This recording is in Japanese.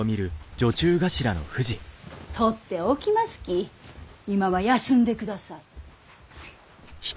取っておきますき今は休んでください。